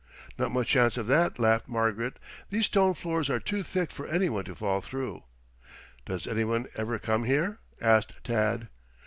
"Not much chance of that," laughed Margaret. "These stone floors are too thick for anyone to fall through." "Does anyone ever come here?" asked Tad.